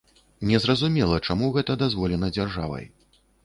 Незразумела, чаму гэта дазволена дзяржавай.